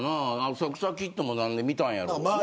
浅草キッドも何で見たんやろ。